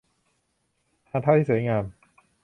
ทางเท้าที่สวยงาม